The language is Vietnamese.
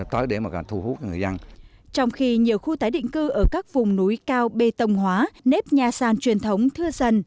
trong khi nhiều khu tái định cư ở các vùng núi cao bê tông hóa nếp nhà sàn truyền thống thưa dần